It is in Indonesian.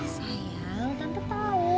sayang tante tahu